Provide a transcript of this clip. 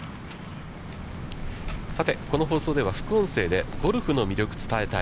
この放送では、副音声でゴルフの魅力伝え隊。